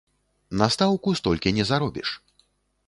На стаўку столькі не заробіш!